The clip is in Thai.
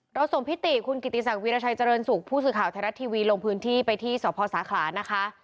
ส่งพิติคุณกิติศักดิราชัยเจริญสุขผู้สื่อข่าวไทยรัฐทีวีลงพื้นที่ไปที่สพสาขลานะคะ